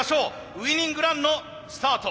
ウイニングランのスタート。